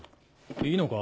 いいのか？